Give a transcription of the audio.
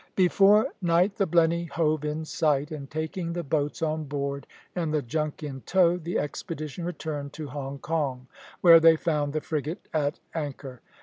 Before night the Blenny hove in sight, and taking the boats on board and the junk in tow, the expedition returned to Hong Kong, where they found the frigate at anchor.